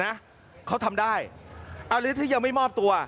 นะเขาทำได้เอาหรือถ้ายังไม่มอบตัว